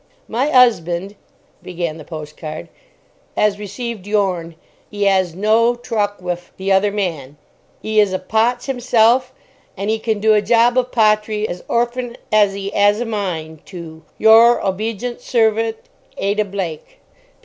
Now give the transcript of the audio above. "My usbend," began the postcard, "as received yourn. E as no truk wif the other man E is a pots imself an e can do a job of potry as orfen as e 'as a mine to your obegent servent Ada Blake.